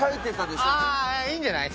いいんじゃない？